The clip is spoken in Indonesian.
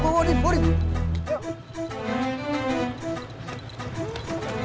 mau loh udah buka buka buka